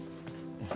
うん。